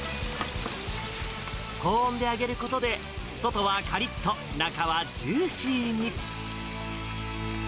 高温で揚げることで、外はかりっと、中はジューシーに。